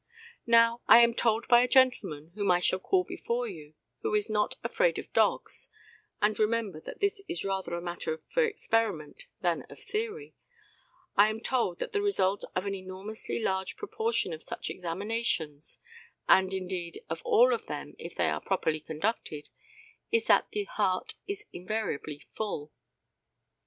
Now, I am told by a gentleman, whom I shall call before you, who is not afraid of dogs and remember that this is rather a matter for experiment than of theory, I am told that the result of an enormously large proportion of such examinations and, indeed, of all of them if they be properly conducted is, that the heart is invariably full.